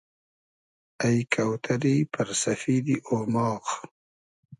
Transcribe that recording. اݷ کۆتئری پئر سئفیدی اۉماغ